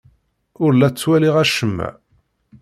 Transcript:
Ur la ttwaliɣ acemma.